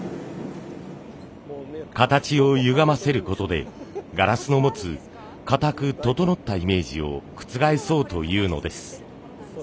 形をゆがませることでガラスの持つかたく整ったイメージを覆そうというのです。